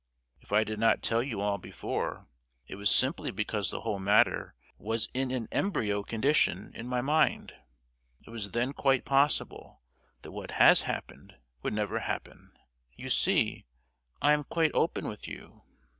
If I did not tell you all before, it was simply because the whole matter was in an embryo condition in my mind. It was then quite possible that what has happened would never happen. You see, I am quite open with you.